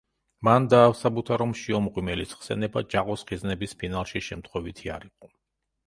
მან დაასაბუთა, რომ შიო მღვიმელის ხსენება „ჯაყოს ხიზნების“ ფინალში შემთხვევითი არ იყო.